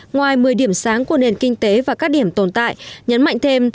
ngoài một mươi điểm sáng của nền kinh tế và các điểm tồn tại nhấn mạnh thêm